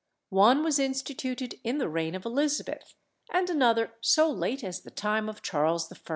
One was instituted in the reign of Elizabeth, and another so late as the time of Charles I.